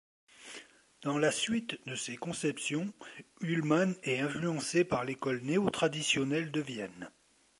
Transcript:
Dans la suite de ses conceptions, Ullmann est influencé par l'école néo-traditionnelle de Vienne.